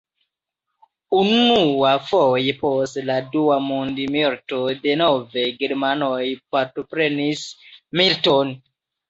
Unuafoje post la Dua mondmilito, denove germanoj partoprenis militon.